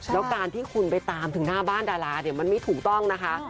แล้วการที่คุณไปตามถึงหน้าบ้านดาราเนี่ยมันไม่ถูกต้องนะคะ